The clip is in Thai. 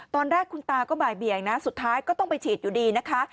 ตอนแรกคุณตาก็บ่ายเบียงนะสุดท้ายก็ต้องไปฉีดอยู่ดีนะคะ